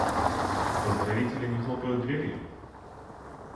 Поздравители не хлопают дверью?